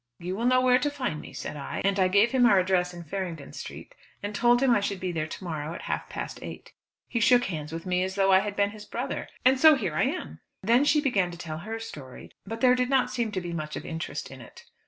'You will know where to find me,' said I, and I gave him our address in Farringdon Street, and told him I should be there to morrow at half past eight. He shook hands with me as though I had been his brother; and so here I am." Then she began to tell her story, but there did not seem to be much of interest in it.